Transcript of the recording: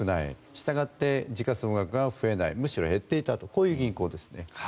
したがって、時価総額が増えないむしろ減っていたとこういう銀行ですね。